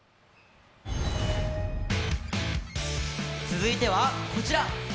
続いてはこちら。